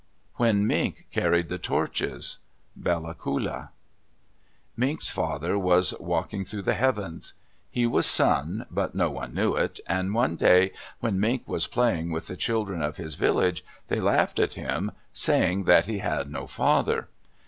WHEN MINK CARRIED THE TORCHES Bella Coola Mink's father was "Walking through the Heavens." He was Sun, but no one knew it, and one day when Mink was playing with the children of his village, they laughed at him saying that he had no father.